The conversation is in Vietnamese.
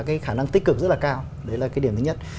cái khả năng tích cực rất là cao đấy là cái điểm thứ nhất